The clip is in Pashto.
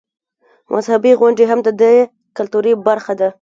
مذهبي غونډې هم د دې کلتور برخه ده.